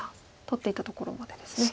取っていったところまでですね。